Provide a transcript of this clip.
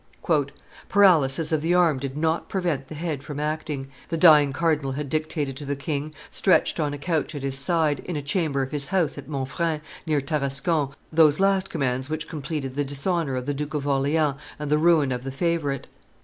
"Paralysis of the arm did not prevent the head from acting;" the dying cardinal had dictated to the king, stretched on a couch at his side, in a chamber of his house at Monfrin, near Tarascon, those last commands which completed the dishonor of the Duke of Orleans and the ruin of the favorite.